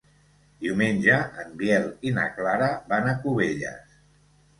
Diumenge en Biel i na Clara van a Cubelles.